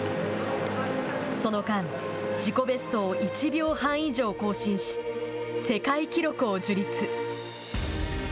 その間、自己ベストを１秒半以上更新し世界記録を樹立。